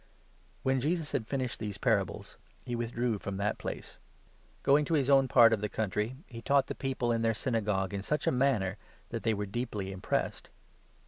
Jesu When Jesus had finished these parables, he 53 teaches at withdrew from that place. Going to his own part 54 Nazareth. of the country, he taught the people in their Synagogue in such a manner that they were deeply impressed.